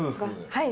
はい。